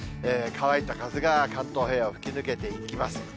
乾いた風が関東平野を吹き抜けていきます。